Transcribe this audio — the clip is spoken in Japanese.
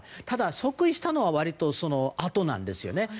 ただ即位したのは割とあとなんですよね。